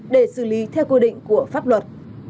để xử lý theo quy định của pháp luật